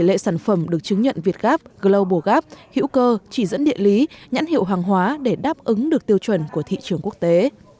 tỷ lệ sản phẩm được chứng nhận việt gap global gap hữu cơ chỉ dẫn địa lý nhãn hiệu hàng hóa để đáp ứng được tiêu chuẩn của thị trường quốc tế